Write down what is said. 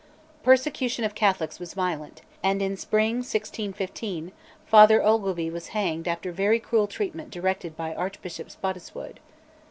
Persecution of Catholics was violent, and in spring 1615 Father Ogilvie was hanged after very cruel treatment directed by Archbishop Spottiswoode.